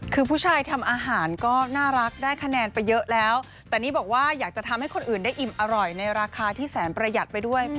คือผู้ชายทำอาหารก็น่ารักได้คะแนนไปเยอะแล้วแต่นี่บอกว่าอยากจะทำให้คนอื่นได้อิ่มอร่อยในราคาที่แสนประหยัดไปด้วย